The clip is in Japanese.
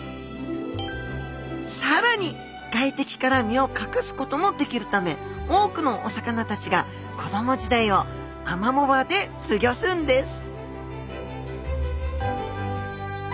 さらに外敵から身を隠すこともできるため多くのお魚たちが子供時代をアマモ場で過ギョすんです